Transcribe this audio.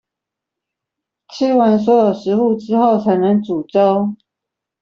吃完所有食物之後才能煮粥